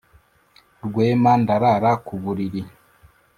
rwema ndarara ku buriri